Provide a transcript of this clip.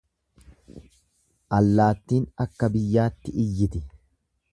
Allaattiin akka biyyaatti iyyiti.